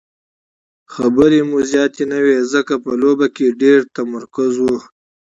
خبرې مو زیاتې نه وې ځکه په لوبه کې ډېر تمرکز وو.